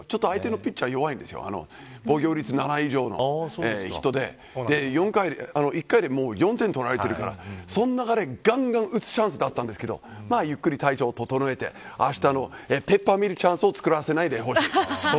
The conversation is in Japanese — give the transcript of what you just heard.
相手のピッチャーがちょっと弱いので防御率７以上の人で１回で４点取られてるからそんな中でがんがん打つチャンスだったんですけどゆっくり体調を整えてあしたのペッパーミルチャンスをつくらせないでほしい。